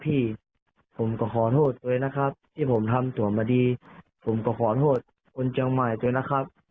พี่ผมก็ขอโทษเลยนะครับที่ผมทำสวนมาดีผมก็ขอโทษคนเชียงใหม่ด้วยนะครับ